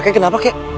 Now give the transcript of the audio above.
kek kenapa kek